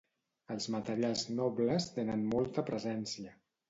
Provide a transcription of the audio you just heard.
Els materials nobles tenen molta presència.